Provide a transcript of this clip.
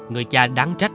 người cha đáng trách